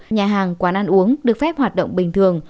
nhà hàng quán ăn uống được phép hoạt động bình thường